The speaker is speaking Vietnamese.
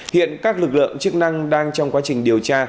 hiện các lực lượng chức năng đang trong quá trình điều tra